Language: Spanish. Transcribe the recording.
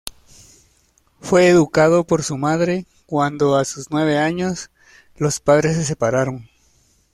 Fue educado por su madre, cuando a sus nueve años, los padres se separaron.